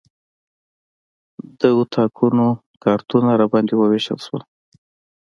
د اتاقونو کارتونه راباندې وویشل شول.